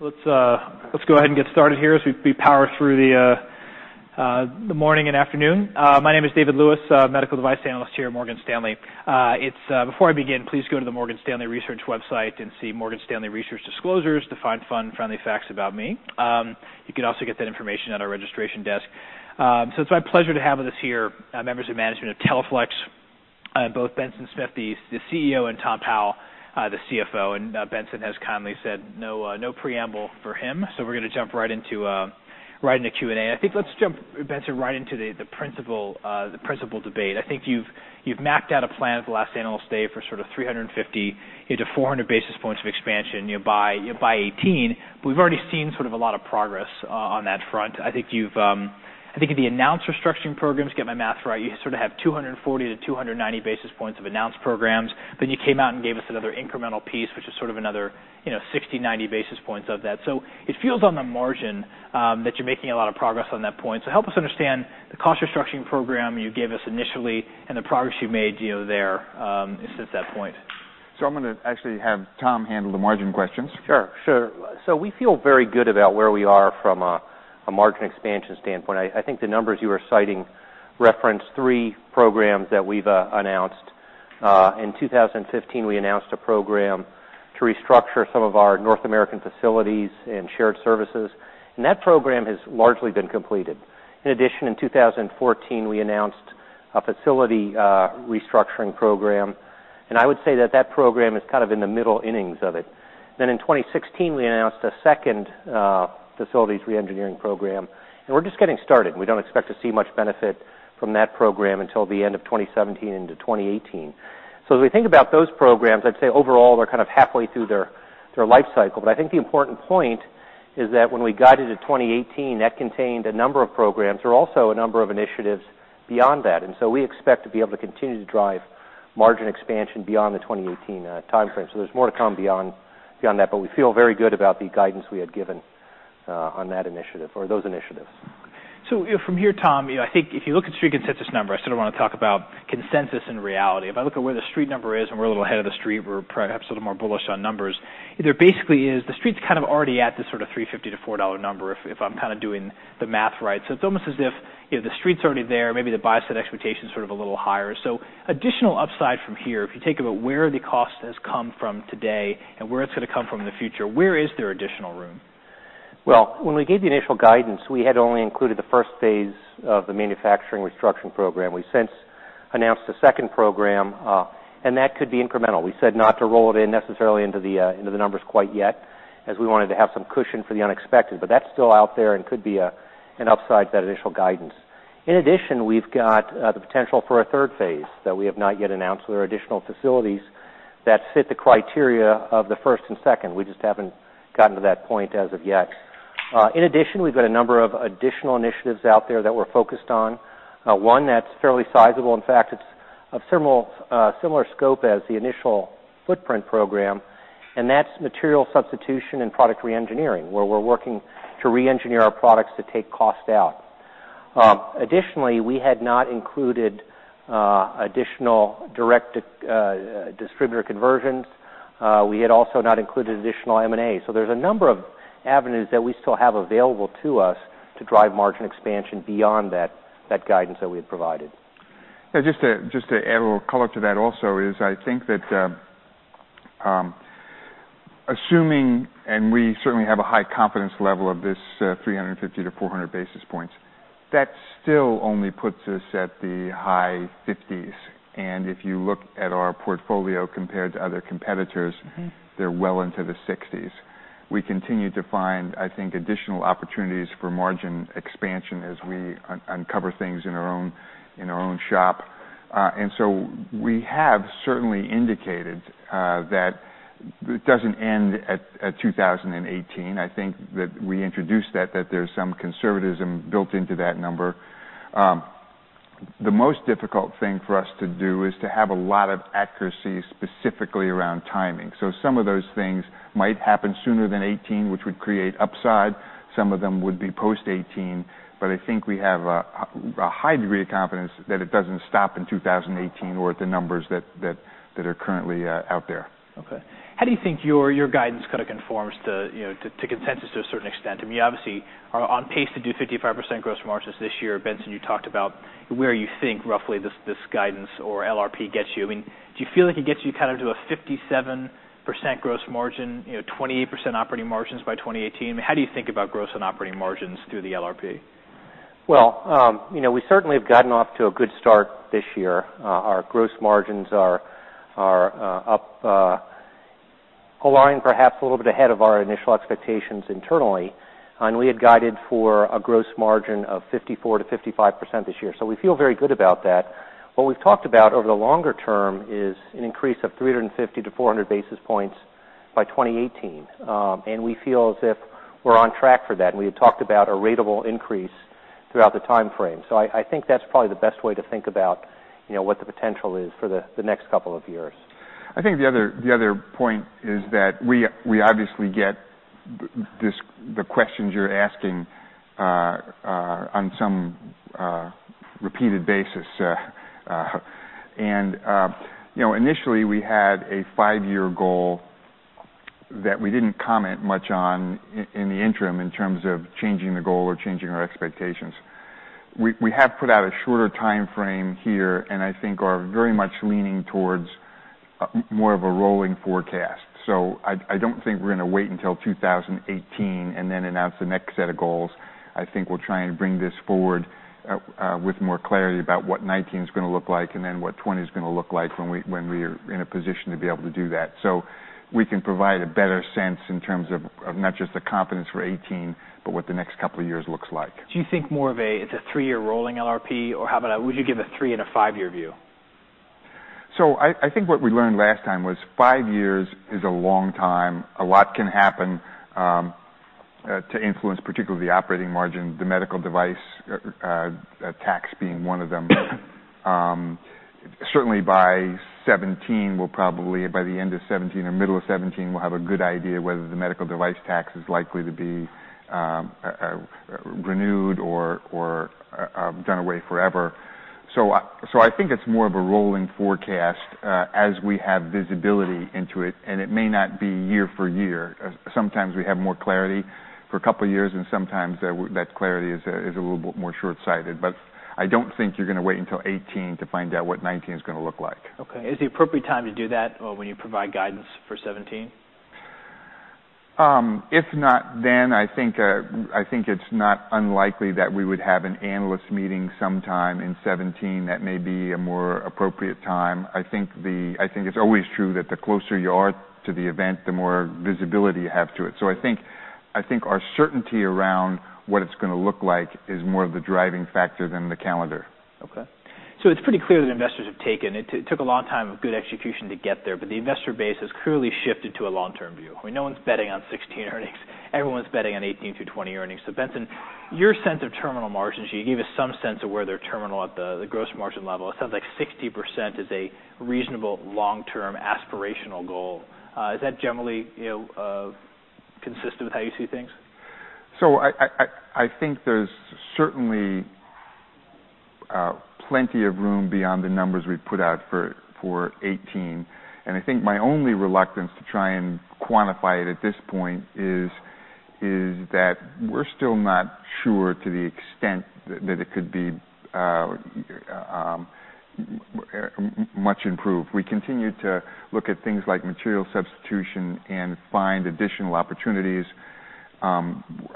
Let's go ahead and get started here as we power through the morning and afternoon. My name is David Lewis, medical device analyst here at Morgan Stanley. Before I begin, please go to the Morgan Stanley Research website and see Morgan Stanley Research Disclosures to find fun, friendly facts about me. You can also get that information at our registration desk. It's my pleasure to have with us here members of management of Teleflex, both Benson Smith, the CEO, and Tom Powell, the CFO. Benson has kindly said no preamble for him, so we're going to jump right into Q&A. Let's jump, Benson, right into the principal debate. You've mapped out a plan for the last Analyst Day for sort of 350-400 basis points of expansion by 2018, we've already seen sort of a lot of progress on that front. If the announced restructuring programs, get my math right, you sort of have 240-290 basis points of announced programs, you came out and gave us another incremental piece, which is sort of another 60-90 basis points of that. It feels on the margin that you're making a lot of progress on that point. Help us understand the cost-restructuring program you gave us initially and the progress you made there, at least at that point. I'm going to actually have Tom handle the margin questions. Sure. We feel very good about where we are from a margin expansion standpoint. The numbers you were citing reference three programs that we've announced. In 2015, we announced a program to restructure some of our North American facilities and shared services, that program has largely been completed. In addition, in 2014, we announced a facility restructuring program, I would say that that program is kind of in the middle innings of it. In 2016, we announced a second facilities re-engineering program, we're just getting started. We don't expect to see much benefit from that program until the end of 2017 into 2018. As we think about those programs, I'd say overall, we're kind of halfway through their life cycle. I think the important point is that when we guided to 2018, that contained a number of programs. There are also a number of initiatives beyond that, we expect to be able to continue to drive margin expansion beyond the 2018 timeframe. There's more to come beyond that, but we feel very good about the guidance we had given on those initiatives. From here, Tom, I think if you look at street consensus numbers, I sort of want to talk about consensus and reality. If I look at where the street number is, we're a little ahead of the street, we're perhaps a little more bullish on numbers. Basically, the street's kind of already at the sort of $350-$400 number if I'm kind of doing the math right. It's almost as if the street's already there, maybe the buy-side expectations sort of a little higher. Additional upside from here, if you think about where the cost has come from today and where it's going to come from in the future, where is there additional room? Well, when we gave the initial guidance, we had only included the phase 1 of the manufacturing restructuring program. We've since announced a program 2, that could be incremental. We said not to roll it in necessarily into the numbers quite yet, as we wanted to have some cushion for the unexpected, that's still out there and could be an upside to that initial guidance. In addition, we've got the potential for a phase 3 that we have not yet announced. There are additional facilities that fit the criteria of the 1 and 2. We just haven't gotten to that point as of yet. In addition, we've got a number of additional initiatives out there that we're focused on. One that's fairly sizable, in fact, it's of similar scope as the initial footprint program, that's material substitution and product re-engineering, where we're working to re-engineer our products to take cost out. Additionally, we had not included additional direct distributor conversions. We had also not included additional M&A. There's a number of avenues that we still have available to us to drive margin expansion beyond that guidance that we had provided. Just to add a little color to that also is I think that assuming, and we certainly have a high confidence level of this 350 to 400 basis points, that still only puts us at the high 50s, and if you look at our portfolio compared to other competitors, they're well into the 60s. We continue to find, I think, additional opportunities for margin expansion as we uncover things in our own shop. We have certainly indicated that it doesn't end at 2018. I think that we introduced that there's some conservatism built into that number. The most difficult thing for us to do is to have a lot of accuracy specifically around timing. Some of those things might happen sooner than 2018, which would create upside. Some of them would be post 2018, I think we have a high degree of confidence that it doesn't stop in 2018 or at the numbers that are currently out there. Okay. How do you think your guidance kind of conforms to consensus to a certain extent? I mean, obviously on pace to do 55% gross margins this year. Benson, you talked about where you think roughly this guidance or LRP gets you. I mean, do you feel like it gets you kind of to a 57% gross margin, 28% operating margins by 2018? How do you think about gross and operating margins through the LRP? Well, we certainly have gotten off to a good start this year. Our gross margins are up, aligned perhaps a little bit ahead of our initial expectations internally. We had guided for a gross margin of 54%-55% this year. We feel very good about that. What we've talked about over the longer term is an increase of 350 to 400 basis points by 2018. We feel as if we're on track for that, and we had talked about a ratable increase throughout the timeframe. I think that's probably the best way to think about what the potential is for the next couple of years. I think the other point is that we obviously get the questions you're asking on some repeated basis. Initially, we had a five-year goal that we didn't comment much on in the interim in terms of changing the goal or changing our expectations. We have put out a shorter timeframe here, and I think are very much leaning towards more of a rolling forecast. I don't think we're going to wait until 2018 and then announce the next set of goals. I think we'll try and bring this forward with more clarity about what 2019 is going to look like and then what 2020 is going to look like when we are in a position to be able to do that. We can provide a better sense in terms of not just the confidence for 2018, but what the next couple of years looks like. Do you think more of a, it's a three-year rolling LRP? Or how about would you give a three and a five-year view? I think what we learned last time was five years is a long time. A lot can happen to influence particularly the operating margin, the medical device tax being one of them. Certainly by 2017, we'll probably, by the end of 2017 or middle of 2017, we'll have a good idea whether the medical device tax is likely to be renewed or done away forever. I think it's more of a rolling forecast as we have visibility into it, and it may not be year for year. Sometimes we have more clarity for a couple of years, and sometimes that clarity is a little bit more short-sighted. I don't think you're going to wait until 2018 to find out what 2019 is going to look like. Okay. Is the appropriate time to do that when you provide guidance for 2017? If not, I think it's not unlikely that we would have an Analyst Day sometime in 2017. That may be a more appropriate time. I think it's always true that the closer you are to the event, the more visibility you have to it. I think our certainty around what it's going to look like is more of the driving factor than the calendar. Okay. It's pretty clear that investors. It took a long time of good execution to get there, but the investor base has clearly shifted to a long-term view, where no one's betting on 2016 earnings. Everyone's betting on 2018 through 2020 earnings. Benson, your sense of terminal margins, you gave us some sense of where they're terminal at the gross margin level. It sounds like 60% is a reasonable long-term aspirational goal. Is that generally consistent with how you see things? I think there's certainly plenty of room beyond the numbers we've put out for 2018. I think my only reluctance to try and quantify it at this point is that we're still not sure to the extent that it could be much improved. We continue to look at things like material substitution and find additional opportunities.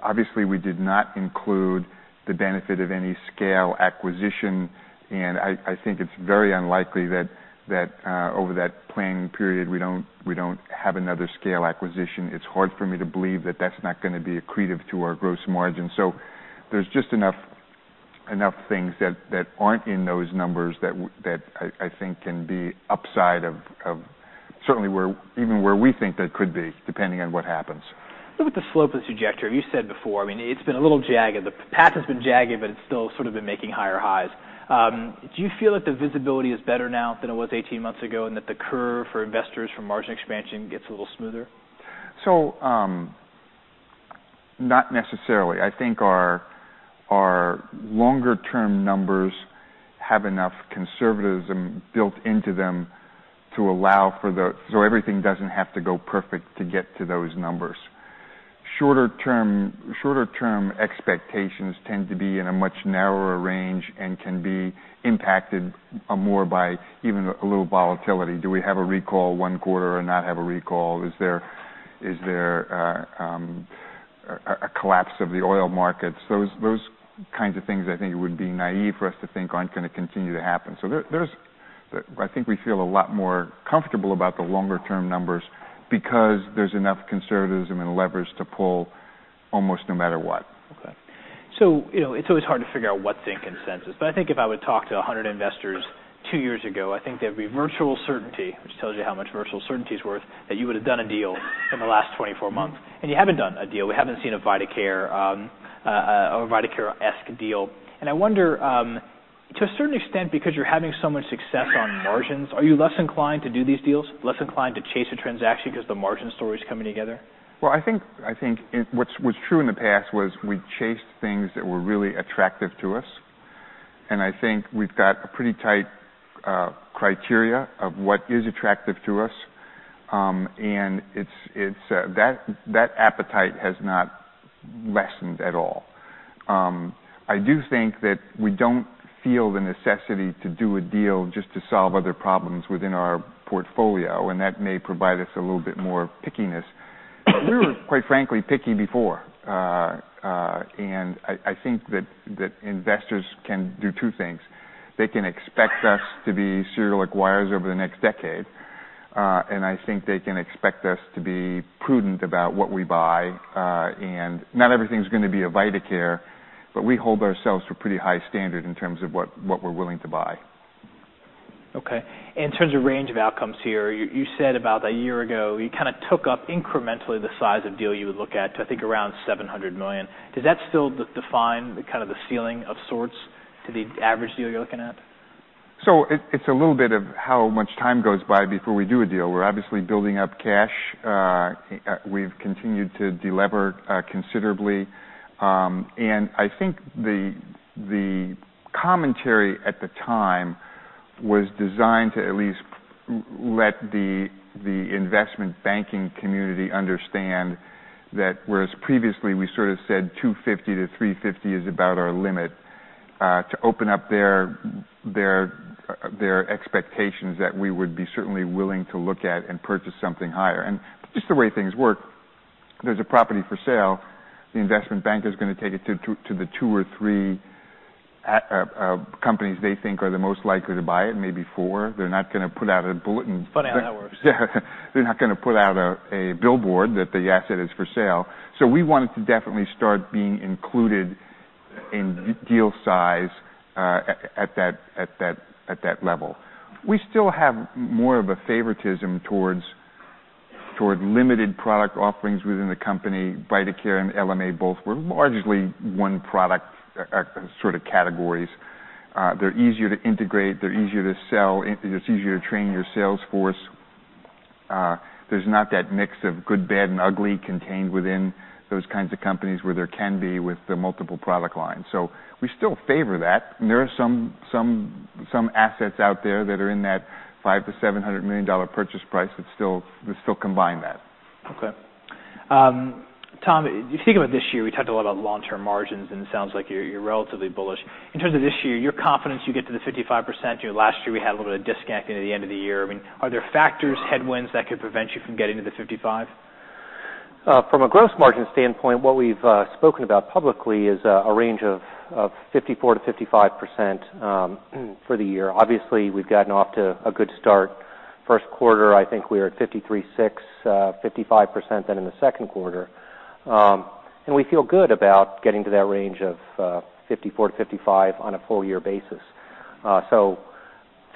Obviously, we did not include the benefit of any scale acquisition, and I think it's very unlikely that over that planning period, we don't have another scale acquisition. It's hard for me to believe that that's not going to be accretive to our gross margin. There's just enough things that aren't in those numbers that I think can be upside of certainly even where we think that could be, depending on what happens. With the slope of this trajectory, you said before, it's been a little jagged. The path has been jagged, but it's still sort of been making higher highs. Do you feel that the visibility is better now than it was 18 months ago, and that the curve for investors from margin expansion gets a little smoother? Not necessarily. I think our longer term numbers have enough conservatism built into them to allow everything doesn't have to go perfect to get to those numbers. Shorter term expectations tend to be in a much narrower range and can be impacted more by even a little volatility. Do we have a recall one quarter and not have a recall? Is there a collapse of the oil markets? Those kinds of things, I think it would be naive for us to think aren't going to continue to happen. I think we feel a lot more comfortable about the longer term numbers because there's enough conservatism and levers to pull almost no matter what. Okay. It's always hard to figure out what the consensus is. I think if I would talk to 100 investors two years ago, I think there'd be virtual certainty, which tells you how much virtual certainty is worth, that you would've done a deal in the last 24 months. You haven't done a deal. We haven't seen a Vidacare-esque deal. I wonder, to a certain extent, because you're having so much success on margins, are you less inclined to do these deals, less inclined to chase a transaction because the margin story's coming together? I think what's true in the past was we chased things that were really attractive to us, and I think we've got a pretty tight criteria of what is attractive to us. That appetite has not lessened at all. I do think that we don't feel the necessity to do a deal just to solve other problems within our portfolio, and that may provide us a little bit more pickiness. We were, quite frankly, picky before. I think that investors can do two things. They can expect us to be serial acquirers over the next decade, and I think they can expect us to be prudent about what we buy. Not everything's going to be a Vidacare, but we hold ourselves to a pretty high standard in terms of what we're willing to buy. Okay. In terms of range of outcomes here, you said about a year ago, you kind of took up incrementally the size of deal you would look at to, I think, around $700 million. Does that still define the kind of the ceiling of sorts to the average deal you're looking at? It's a little bit of how much time goes by before we do a deal. We're obviously building up cash. We've continued to delever considerably. I think the commentary at the time was designed to at least let the investment banking community understand that whereas previously we sort of said $250 to $350 is about our limit, to open up their expectations that we would be certainly willing to look at and purchase something higher. Just the way things work, there's a property for sale, the investment bank is going to take it to the two or three companies they think are the most likely to buy it, maybe four. They're not going to put out a bulletin. Funny how that works. They're not going to put out a billboard that the asset is for sale. We wanted to definitely start being included in deal size at that level. We still have more of a favoritism towards limited product offerings within the company. Vidacare and LMA both were largely one product sort of categories. They're easier to integrate, they're easier to sell, it's easier to train your sales force. There's not that mix of good, bad, and ugly contained within those kinds of companies where there can be with the multiple product lines. We still favor that. There are some assets out there that are in that $5 million-$700 million purchase price that still combine that. Tom, you think about this year, we talked a lot about long-term margins, it sounds like you're relatively bullish. In terms of this year, you're confident you get to the 55%. Last year, we had a little bit of disconnect into the end of the year. Are there factors, headwinds, that could prevent you from getting to the 55%? From a gross margin standpoint, what we've spoken about publicly is a range of 54%-55% for the year. Obviously, we've gotten off to a good start. First quarter, I think we are at 53.6%, 55% then in the second quarter. We feel good about getting to that range of 54%-55% on a full year basis. 55%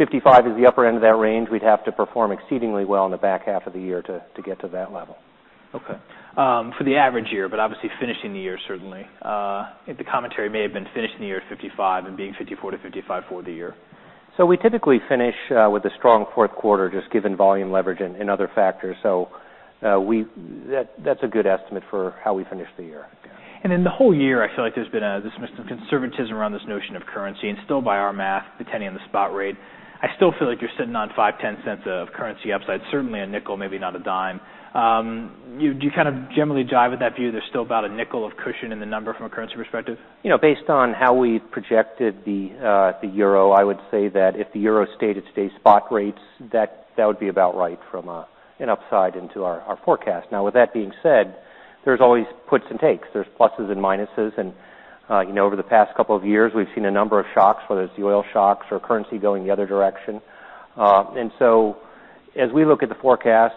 is the upper end of that range. We'd have to perform exceedingly well in the back half of the year to get to that level. Okay. For the average year, but obviously finishing the year, certainly. I think the commentary may have been finished in the year 55% and being 54%-55% for the year. We typically finish with a strong fourth quarter, just given volume leverage and other factors. That's a good estimate for how we finish the year. In the whole year, I feel like there's been a dismissive conservatism around this notion of currency. Still by our math, depending on the spot rate, I still feel like you're sitting on $0.05-$0.10 of currency upside. Certainly $0.05, maybe not $0.10. Do you kind of generally jive with that view? There's still about $0.05 of cushion in the number from a currency perspective. Based on how we've projected the euro, I would say that if the euro stayed at today's spot rates, that would be about right from an upside into our forecast. With that being said, there's always puts and takes. There's pluses and minuses, and over the past couple of years, we've seen a number of shocks, whether it's the oil shocks or currency going the other direction. As we look at the forecast,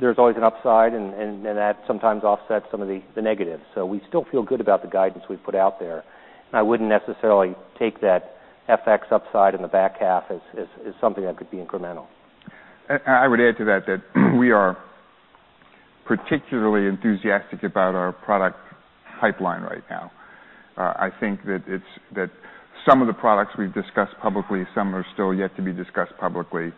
there's always an upside, and that sometimes offsets some of the negatives. We still feel good about the guidance we've put out there, and I wouldn't necessarily take that FX upside in the back half as something that could be incremental. I would add to that we are particularly enthusiastic about our product pipeline right now. I think that some of the products we've discussed publicly, some are still yet to be discussed publicly.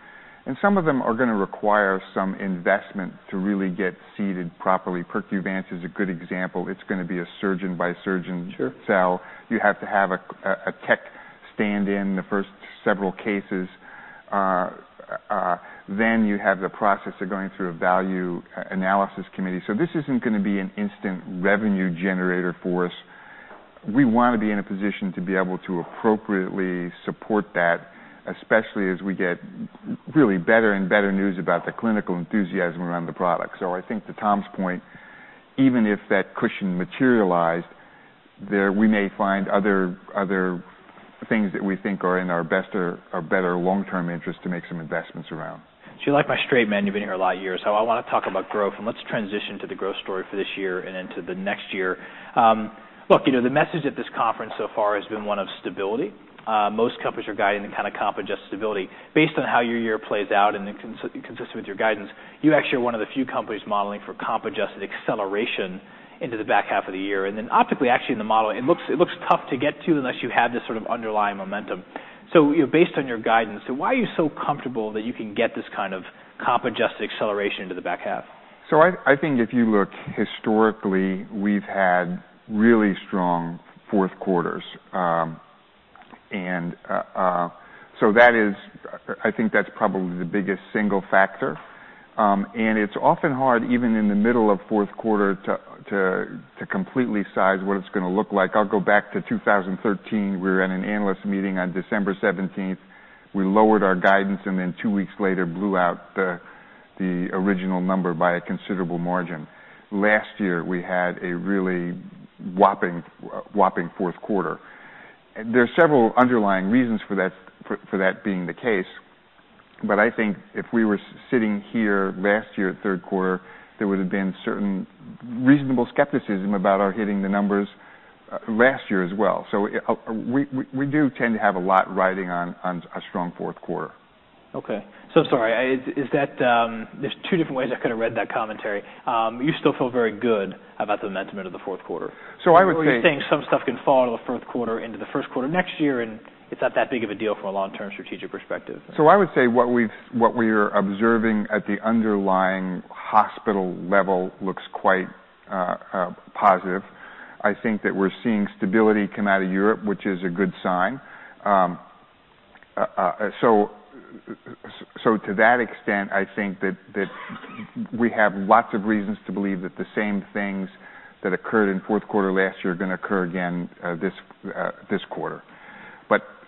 Some of them are going to require some investment to really get seeded properly. Percuvance is a good example. It's going to be a surgeon-by-surgeon sell. Sure. You have to have a tech stand in the first several cases. You have the process of going through a value analysis committee. This isn't going to be an instant revenue generator for us. We want to be in a position to be able to appropriately support that, especially as we get really better and better news about the clinical enthusiasm around the product. I think to Tom's point, even if that cushion materialized, we may find other things that we think are in our better long-term interest to make some investments around. You like my straight men, you've been here a lot of years. I want to talk about growth, and let's transition to the growth story for this year and into the next year. Look, the message at this conference so far has been one of stability. Most companies are guiding the kind of comp adjusted stability based on how your year plays out and consistent with your guidance. You actually are one of the few companies modeling for comp adjusted acceleration into the back half of the year. Optically, actually in the model, it looks tough to get to unless you have this sort of underlying momentum. Based on your guidance, why are you so comfortable that you can get this kind of comp adjusted acceleration into the back half? I think if you look historically, we've had really strong fourth quarters. I think that's probably the biggest single factor. It's often hard, even in the middle of fourth quarter, to completely size what it's going to look like. I'll go back to 2013. We were at an Analyst Day on December 17th. We lowered our guidance, then two weeks later blew out the original number by a considerable margin. Last year, we had a really whopping fourth quarter. There are several underlying reasons for that being the case, but I think if we were sitting here last year at third quarter, there would have been certain reasonable skepticism about our hitting the numbers last year as well. We do tend to have a lot riding on a strong fourth quarter. Okay. Sorry, there's two different ways I could have read that commentary. You still feel very good about the momentum into the fourth quarter. I would say. Are you saying some stuff can fall out of the fourth quarter into the first quarter next year, and it's not that big of a deal from a long-term strategic perspective? I would say what we're observing at the underlying hospital level looks quite positive. I think that we're seeing stability come out of Europe, which is a good sign. To that extent, I think that we have lots of reasons to believe that the same things that occurred in fourth quarter last year are going to occur again this quarter.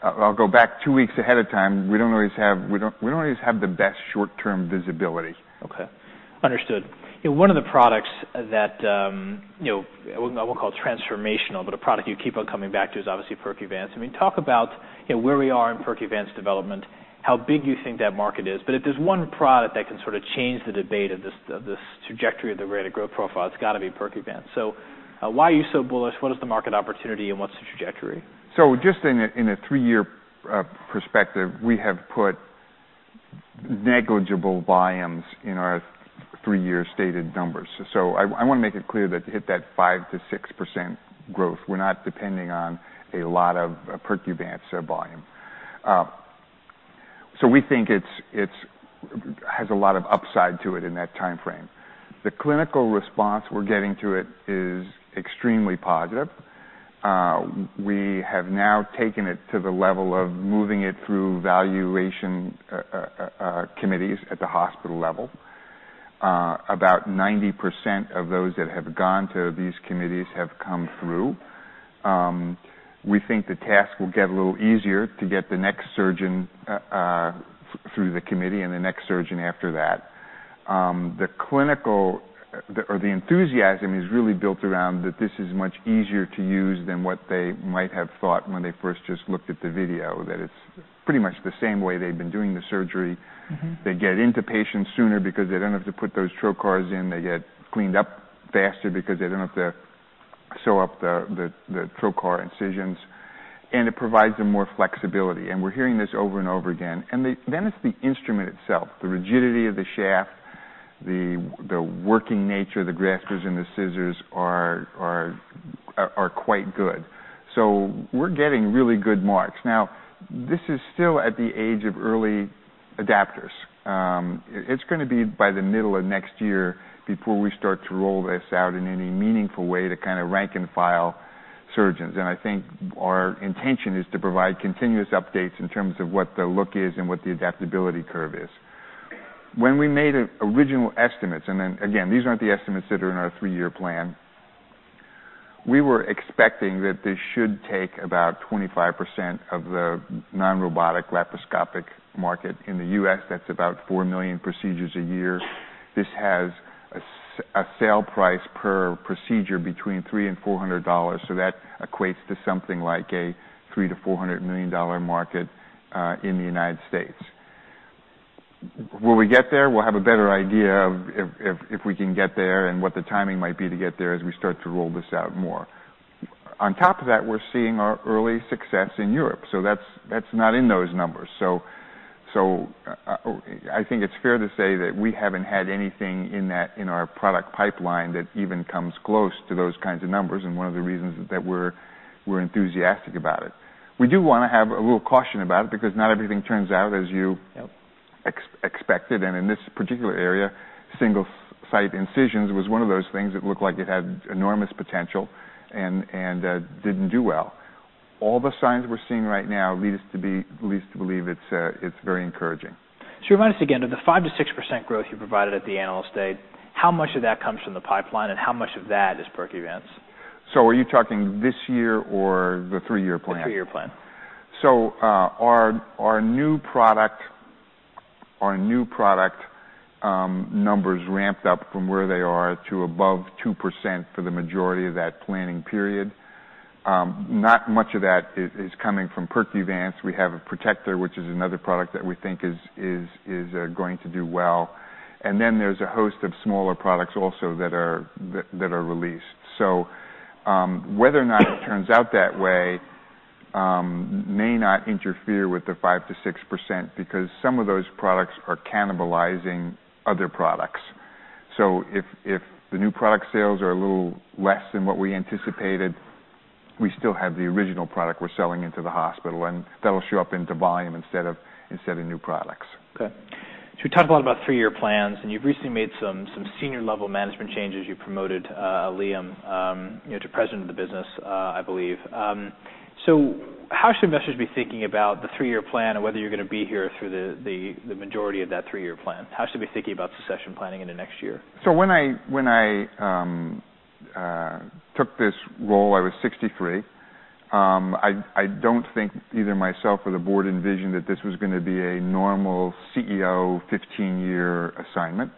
I'll go back two weeks ahead of time. We don't always have the best short-term visibility. Okay. Understood. One of the products that, I won't call it transformational, but a product you keep on coming back to is obviously Percuvance. Talk about where we are in Percuvance development, how big you think that market is. If there's one product that can sort of change the debate of this trajectory of the rate of growth profile, it's got to be Percuvance. Why are you so bullish? What is the market opportunity, and what's the trajectory? Just in a three-year perspective, we have put negligible volumes in our three-year stated numbers. I want to make it clear that to hit that 5%-6% growth, we're not depending on a lot of Percuvance volume. We think it has a lot of upside to it in that timeframe. The clinical response we're getting to it is extremely positive. We have now taken it to the level of moving it through value analysis committees at the hospital level. About 90% of those that have gone to these committees have come through. We think the task will get a little easier to get the next surgeon through the committee and the next surgeon after that. The enthusiasm is really built around that this is much easier to use than what they might have thought when they first just looked at the video, that it's pretty much the same way they've been doing the surgery. They get into patients sooner because they don't have to put those trocars in. They get cleaned up faster because they don't have to sew up the trocar incisions. It provides them more flexibility. We're hearing this over and over again. It's the instrument itself, the rigidity of the shaft, the working nature of the graspers and the scissors are quite good. We're getting really good marks. This is still at the age of early adopters. It's going to be by the middle of next year before we start to roll this out in any meaningful way to kind of rank-and-file surgeons. I think our intention is to provide continuous updates in terms of what the look is and what the adaptability curve is. When we made original estimates, again, these aren't the estimates that are in our three-year plan, we were expecting that this should take about 25% of the non-robotic laparoscopic market. In the U.S., that's about 4 million procedures a year. This has a sale price per procedure between $300 and $400. That equates to something like a $300 to $400 million market in the United States. Will we get there? We'll have a better idea if we can get there and what the timing might be to get there as we start to roll this out more. On top of that, we're seeing our early success in Europe. That's not in those numbers. I think it's fair to say that we haven't had anything in our product pipeline that even comes close to those kinds of numbers. One of the reasons that we're enthusiastic about it. We do want to have a little caution about it because not everything turns out. Yep Expected. In this particular area, single-site incisions was one of those things that looked like it had enormous potential and didn't do well. All the signs we're seeing right now lead us to believe it's very encouraging. Remind us again, of the 5%-6% growth you provided at the Analyst Day, how much of that comes from the pipeline, and how much of that is Percuvance? Are you talking this year or the three-year plan? The three-year plan. Our new product numbers ramped up from where they are to above 2% for the majority of that planning period. Not much of that is coming from Percuvance. We have a Protector, which is another product that we think is going to do well. There is a host of smaller products also that are released. Whether or not it turns out that way may not interfere with the 5%-6% because some of those products are cannibalizing other products. If the new product sales are a little less than what we anticipated, we still have the original product we are selling into the hospital, and that will show up into volume instead of new products. Okay. We talked a lot about 3-year plans, you've recently made some senior-level management changes. You promoted Liam to president of the business, I believe. How should investors be thinking about the 3-year plan or whether you're going to be here through the majority of that 3-year plan? How should we be thinking about succession planning in the next year? When I took this role, I was 63. I don't think either myself or the board envisioned that this was going to be a normal CEO 15-year assignment.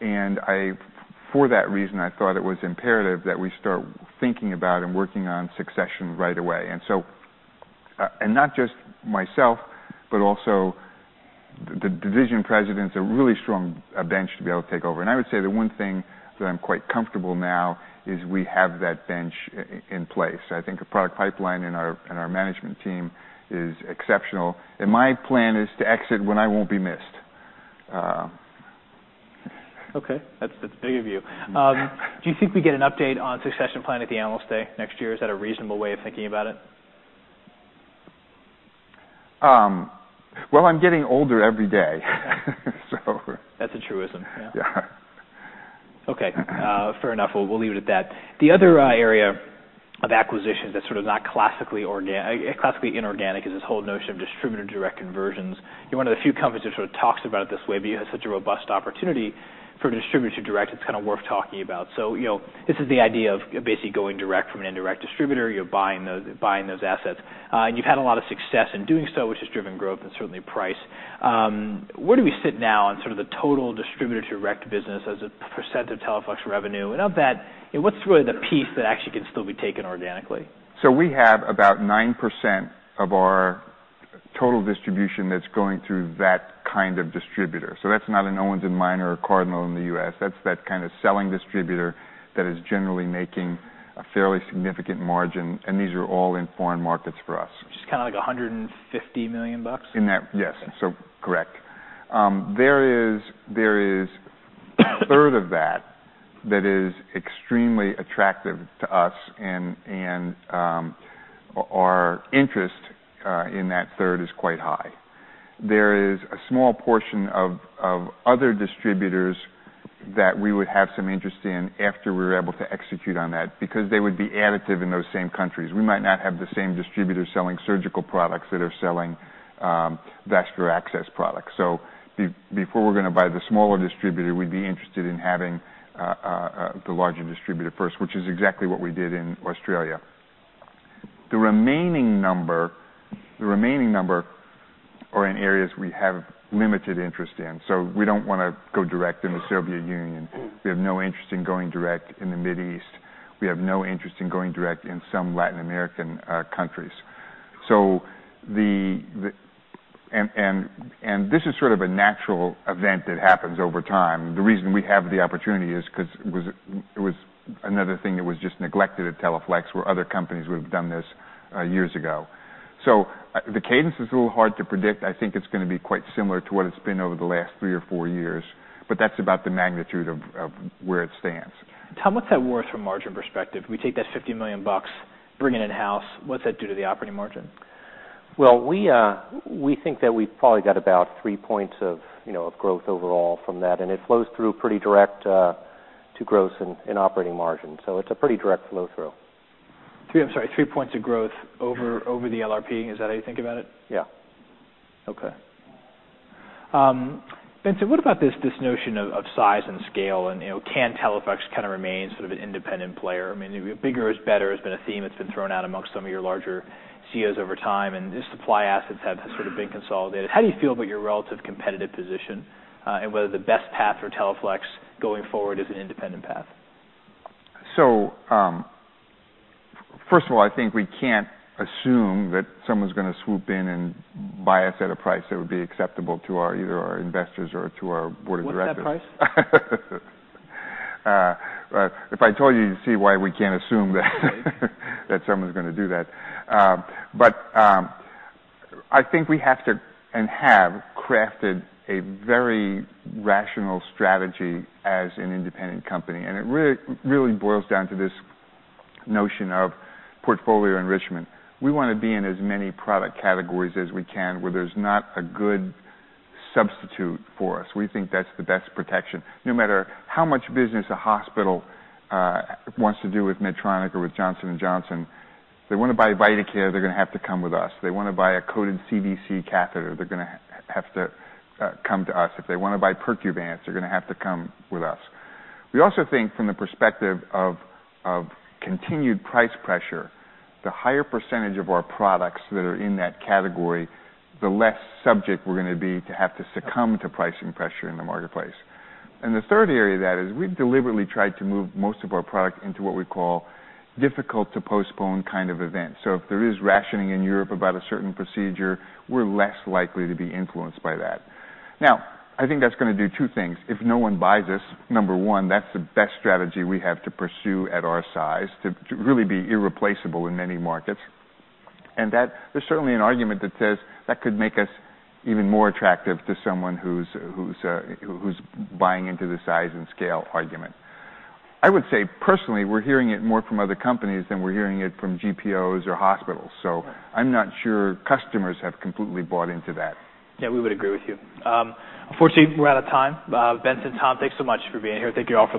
For that reason, I thought it was imperative that we start thinking about and working on succession right away. Not just myself, but also the division presidents, a really strong bench to be able to take over. I would say the one thing that I'm quite comfortable now is we have that bench in place. I think the product pipeline and our management team is exceptional. My plan is to exit when I won't be missed. Okay. That's big of you. Do you think we get an update on succession plan at the Analyst Day next year? Is that a reasonable way of thinking about it? Well, I'm getting older every day. That's a truism, yeah. Yeah. Okay, fair enough. We'll leave it at that. The other area of acquisitions that's sort of not classically inorganic is this whole notion of distributor direct conversions. You're one of the few companies that sort of talks about it this way, but you have such a robust opportunity for distributor direct, it's kind of worth talking about. This is the idea of basically going direct from an indirect distributor. You're buying those assets. You've had a lot of success in doing so, which has driven growth and certainly price. Where do we sit now on sort of the total distributor direct business as a % of Teleflex revenue? And of that, what's really the piece that actually could still be taken organically? We have about 9% of our total distribution that's going through that kind of distributor. That's not an Owens & Minor or Cardinal in the U.S. That's that kind of selling distributor that is generally making a fairly significant margin, and these are all in foreign markets for us. Which is kind of like $150 million? In that, yes. Correct. There is a third of that is extremely attractive to us, and our interest in that third is quite high. There is a small portion of other distributors that we would have some interest in after we were able to execute on that because they would be additive in those same countries. We might not have the same distributors selling surgical products that are selling vascular access products. Before we're going to buy the smaller distributor, we'd be interested in having the larger distributor first, which is exactly what we did in Australia. The remaining number are in areas we have limited interest in, we don't want to go direct in the Soviet Union. We have no interest in going direct in the Mid East. We have no interest in going direct in some Latin American countries. This is sort of a natural event that happens over time. The reason we have the opportunity is because it was another thing that was just neglected at Teleflex, where other companies would've done this years ago. The cadence is a little hard to predict. I think it's going to be quite similar to what it's been over the last three or four years, but that's about the magnitude of where it stands. Tom, what's that worth from a margin perspective? We take that $50 million bucks, bring it in-house. What's that do to the operating margin? Well, we think that we've probably got about three points of growth overall from that, and it flows through pretty direct to gross in operating margin. It's a pretty direct flow-through. I'm sorry, three points of growth over the LRP? Is that how you think about it? Yeah. Okay. Benson, what about this notion of size and scale, and can Teleflex kind of remain sort of an independent player? I mean, bigger is better has been a theme that's been thrown out amongst some of your larger CEOs over time, and the supply assets have sort of been consolidated. How do you feel about your relative competitive position, and whether the best path for Teleflex going forward is an independent path? First of all, I think we can't assume that someone's going to swoop in and buy us at a price that would be acceptable to either our investors or to our board of directors. What's that price? If I told you'd see why we can't assume. Right That someone's going to do that. I think we have to, and have, crafted a very rational strategy as an independent company, and it really boils down to this notion of portfolio enrichment. We want to be in as many product categories as we can where there's not a good substitute for us. We think that's the best protection. No matter how much business a hospital wants to do with Medtronic or with Johnson & Johnson, if they want to buy Vidacare, they're going to have to come with us. If they want to buy a coated CVC catheter, they're going to have to come to us. If they want to buy Percuvance, they're going to have to come with us. We also think from the perspective of continued price pressure, the higher percentage of our products that are in that category, the less subject we're going to be to have to succumb to pricing pressure in the marketplace. The third area of that is we've deliberately tried to move most of our product into what we call difficult to postpone kind of events. If there is rationing in Europe about a certain procedure, we're less likely to be influenced by that. Now, I think that's going to do two things. If no one buys us, number one, that's the best strategy we have to pursue at our size to really be irreplaceable in many markets, and that there's certainly an argument that says that could make us even more attractive to someone who's buying into the size and scale argument. I would say personally, we're hearing it more from other companies than we're hearing it from GPOs or hospitals. I'm not sure customers have completely bought into that. Yeah, we would agree with you. Unfortunately, we're out of time. Benson, Tom, thanks so much for being here.